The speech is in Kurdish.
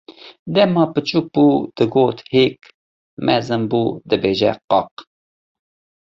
Dema biçûk bû digot hêk, mezin bû dibêje qaq.